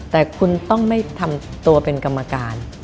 แต่คุณต้องไม่ทำตัวเป็นกรรมการ